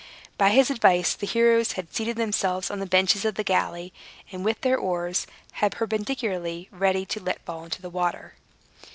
By his advice, the heroes had seated themselves on the benches of the galley, with their oars held perpendicularly, ready to let fall into the water.